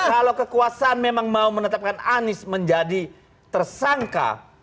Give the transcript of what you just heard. kalau kekuasaan memang mau menetapkan anies menjadi tersangka